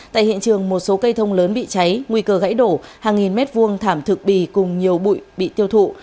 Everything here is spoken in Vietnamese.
tại hiện trường một số cây thông lớn bị cháy nguy cơ gãy đổ hàng nghìn mét vuông thảm thực bì cùng nhiều bụi bị tiêu thụ